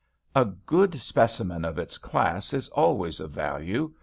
A good specimen of its class is always of value.